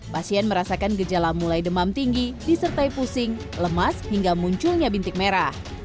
pasien merasakan gejala mulai demam tinggi disertai pusing lemas hingga munculnya bintik merah